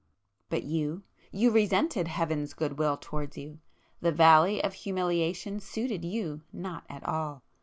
But you,—you resented Heaven's good will towards you,—the Valley of Humiliation suited you not at all.